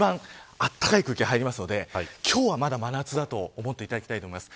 あったかい空気が入りますので、今日はまだ真夏だと思っていただきたいです。